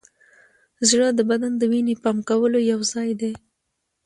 زړه د بدن د وینې پمپ کولو یوځای دی.